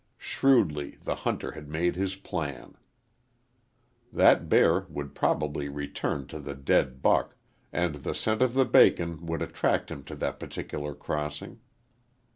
Shrewdly the hunter had made his plan. That bear would probably return to the dead buck, and the scent of the bacon would attract him to that particular crossing.